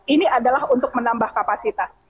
ini adalah untuk menambah kapasitas